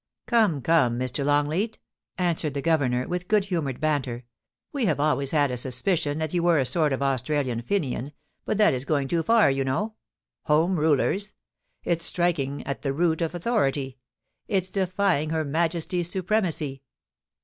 * Come, come, Mr. Longleat,' answered the Governor, with good humoured banter ;* we have always had a sus picion that you were a sort of Australian Fenian, but that is going too far, you know. Home Rulers ! It's striking at the root of authority — it's defying her Majesty's supremacy.'